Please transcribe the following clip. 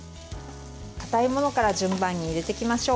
かたいものから順番に入れていきましょう。